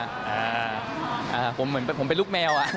อ่าผมเหมือนผมเป็นลูกแมวอ่ะ